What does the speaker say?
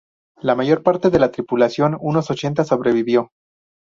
La mayor parte de la tripulación —unos ochenta— sobrevivió.